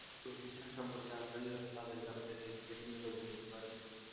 কোনো প্রতিষ্ঠান সম্পর্কে আগ্রহী হলে তাদের ব্যাপারে লিংকডইনেই খোঁজ নিতে পারেন।